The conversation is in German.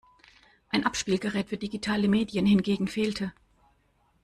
Ein Abspielgerät für digitale Medien hingegen fehlte.